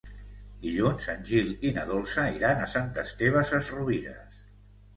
Dilluns en Gil i na Dolça iran a Sant Esteve Sesrovires.